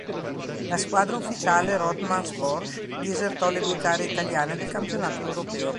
La squadra ufficiale Rothmans-Porsche disertò le due gare italiane del Campionato Europeo.